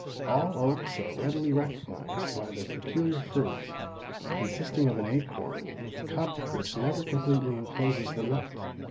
All oaks are readily recognized by their peculiar fruit, consisting of an acorn with a cup which never completely encloses the nut.